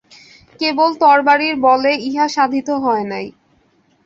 কেবল তরবারির বলে ইহা সাধিত হয় নাই।